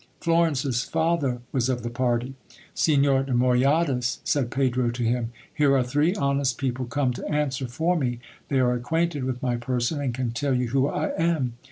Florence's father was of the party. Signor de Moyadas, said Pedro to him, here are three honest people come to answer for me ; they are acquainted with my person, and can tell you who I am.